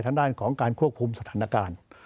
ทางด้านของการควบคุมสถานการณ์